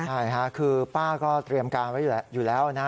ใช่ค่ะคือป้าก็เตรียมการไว้อยู่แล้วนะ